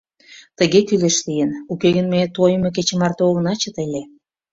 Тыге кӱлеш лийын, уке гын ме тойымо кече марте огына чыте ыле.